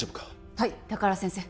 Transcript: はい高原先生